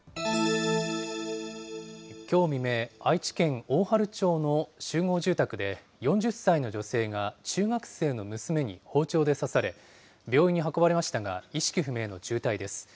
きょう未明、愛知県大治町の集合住宅で、４０歳の女性が中学生の娘に包丁で刺され、病院に運ばれましたが、意識不明の重体です。